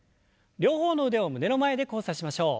両方の腕を胸の前で交差しましょう。